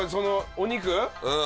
お肉！